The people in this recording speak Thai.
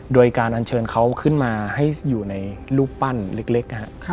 โดยการอัญเชิญเขาขึ้นมาให้อยู่ในรูปปั้นเล็กนะฮะ